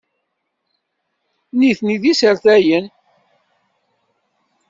Nitni d isertayen.